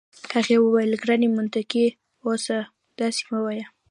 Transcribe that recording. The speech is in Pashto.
هغې وویل: ګرانه منطقي اوسه، داسي مه وایه.